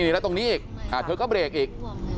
แล้วตรงนี้อีกเธอก็เบรกอีก